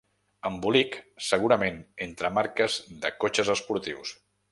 Embolic, segurament entre marques de cotxes esportius.